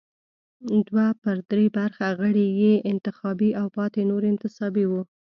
دوه پر درې برخه غړي یې انتخابي او پاتې نور انتصابي وو.